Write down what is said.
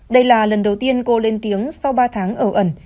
đây là lần đầu tiên cô lên tiếng sau ba tháng ở ẩn